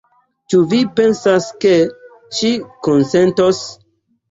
Ĉu vi pensas, ke ŝi konsentos?